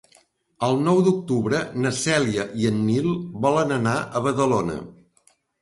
El nou d'octubre na Cèlia i en Nil volen anar a Badalona.